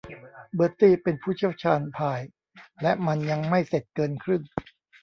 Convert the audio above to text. เบอร์ตี้เป็นผู้เชี่ยวชาญพายและมันยังไม่เสร็จเกินครึ่ง